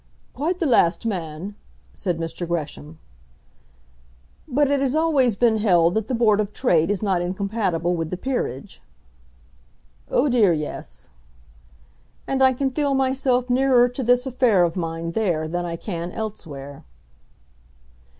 "Quite the last man," said Mr. Gresham. "But it has always been held that the Board of Trade is not incompatible with the Peerage." "Oh dear, yes." "And I can feel myself nearer to this affair of mine there than I can elsewhere."